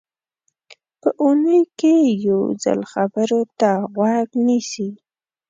په اوونۍ کې یو ځل خبرو ته غوږ نیسي.